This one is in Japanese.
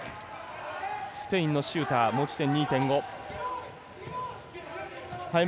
スペインのシューター持ち点２．５。